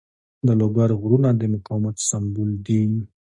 د لوګر غرونه د مقاومت سمبول دي.